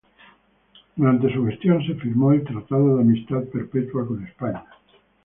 Durante su gestión se firmó el Tratado de Amistad Perpetua con España.